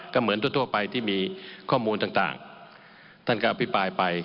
ก็เหมือนทั่วไปที่มีข้อมูลต่างท่านก็อภิปรายไป